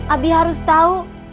abi harus tahu